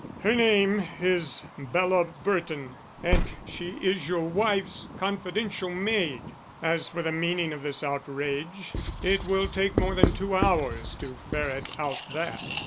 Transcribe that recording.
"Her name is Bella Burton, and she is your wife's confidential maid. As for the meaning of this outrage, it will take more than two hours to ferret out that.